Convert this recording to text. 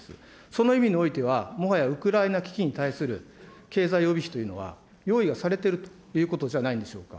その意味においては、もはやウクライナ危機に対する経済予備費というのは、用意はされているということじゃないでしょうか。